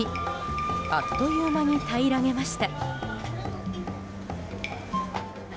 あっという間に平らげました。